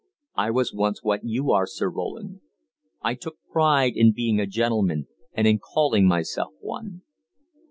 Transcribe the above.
I was once what you are, Sir Roland; I took pride in being a gentleman and in calling myself one.